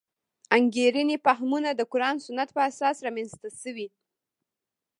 انګېرنې فهمونه قران سنت اساس رامنځته شوې.